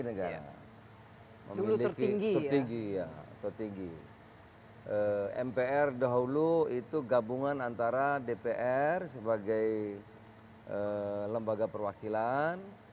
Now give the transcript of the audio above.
negara memiliki tinggi atau tinggi mpr dahulu itu gabungan antara dpr sebagai lembaga perwakilan